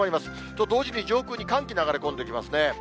と同時に、上空に寒気、流れ込んできますね。